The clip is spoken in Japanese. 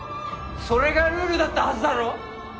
それがルールだったはずだろ？